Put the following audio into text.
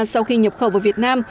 sau khi nhập khẩu vào việt nam